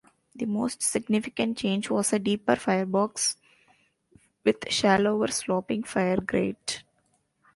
The most significant change was a deeper firebox with shallower sloping fire grate.